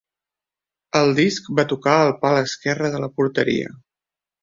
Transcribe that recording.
El disc va tocar el pal esquerre de la porteria.